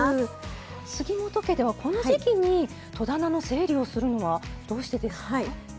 杉本家ではこの時期に戸棚の整理をするのはどうしてですか？